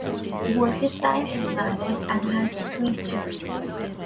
Bolkestein is married and has three children.